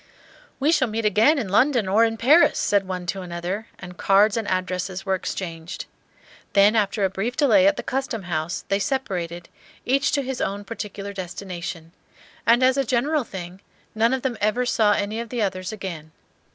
"We shall meet again in London or in Paris," said one to another, and cards and addresses were exchanged. Then after a brief delay at the Custom House they separated, each to his own particular destination; and, as a general thing, none of them ever saw any of the others again.